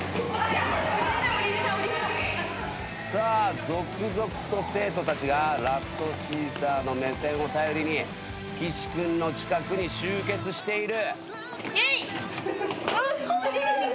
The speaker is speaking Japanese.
さあ続々と生徒たちがラストシーサーの目線を頼りに岸君の近くに集結している。